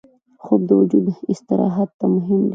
خوب د وجود استراحت ته مهم دی